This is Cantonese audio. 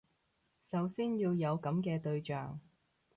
首先要有噉嘅對象